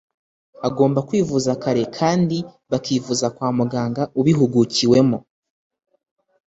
agomba kwivuza kare kandi bakivuza kwa muganga ubihugukiwemo